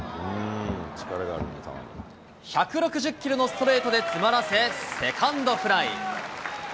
１６０キロのストレートで詰まらせセカンドフライ。